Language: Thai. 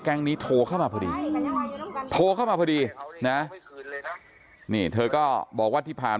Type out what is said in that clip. นี้โทรเข้ามาพอดีโทรเข้ามาพอดีนะนี่เธอก็บอกว่าที่ผ่าน